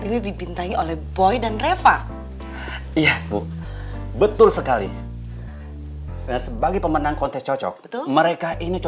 surti ternyata di apartemen temer deka ya